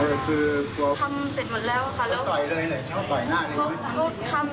แรงไหมกระเด็นไหมหนูกระเด็นไหม